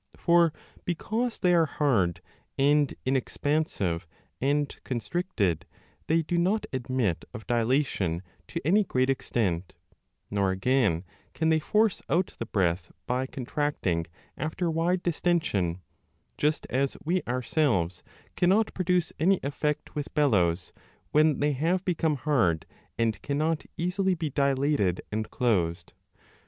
For, because they are hard and inexpansive and 35 constricted, they do not admit of dilatation to any great extent, nor again can they force out the breath by contract ing after wide distension ; just as we ourselves cannot 8oo b produce any effect with bellows, when they have become hard and cannot easily be dilated and closed.